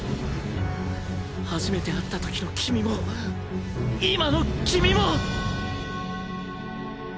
初めて会ったときの君も今の君も！